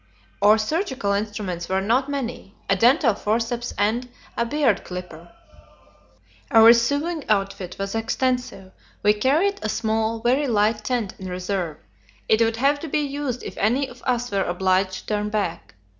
Our surgical instruments were not many: a dental forceps and a beard clipper. Our sewing outfit was extensive. We carried a small, very light tent in reserve; it would have to be used if any of us were obliged to turn back.